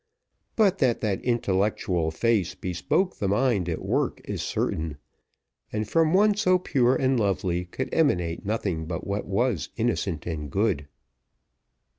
but that that intellectual face bespoke the mind at work is certain, and from one so pure and lovely could emanate nothing but what was innocent and good.